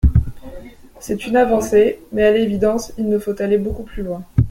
C’est une avancée mais, à l’évidence, il nous faut aller beaucoup plus loin.